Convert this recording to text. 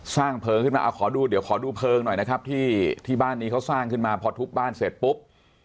เพลิงขึ้นมาเอาขอดูเดี๋ยวขอดูเพลิงหน่อยนะครับที่ที่บ้านนี้เขาสร้างขึ้นมาพอทุบบ้านเสร็จปุ๊บ